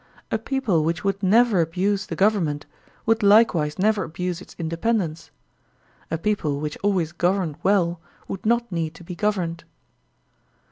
A people which would never abuse the government would likewise never abuse its independ ence; a x)eople which always governed well would not need to be governed.